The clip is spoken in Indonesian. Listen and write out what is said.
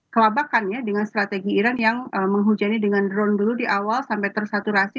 kelabakan ya dengan strategi iran yang menghujani dengan drone dulu di awal sampai tersaturasi